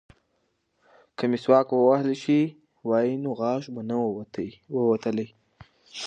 که مسواک وهل شوی وای نو غاښ به نه ووتلی.